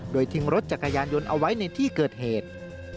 โดยทิ้งรถจักรยานยนต์เอาไว้ในที่เกิดเหตุ